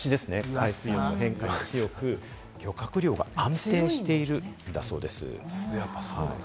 海水量の変化に強く、漁獲量が安定しているんだそうです。